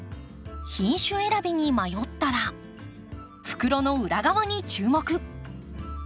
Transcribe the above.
品種選びに迷ったら袋の裏側に注目。